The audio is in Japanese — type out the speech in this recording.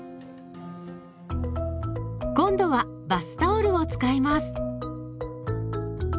今度はバスタオルを使います。